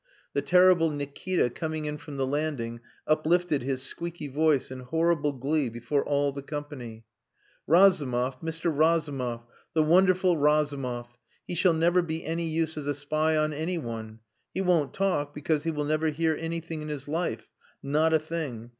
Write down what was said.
The terrible Nikita, coming in from the landing, uplifted his squeaky voice in horrible glee before all the company "Razumov! Mr. Razumov! The wonderful Razumov! He shall never be any use as a spy on any one. He won't talk, because he will never hear anything in his life not a thing!